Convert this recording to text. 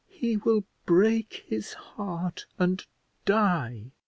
"He will break his heart, and die.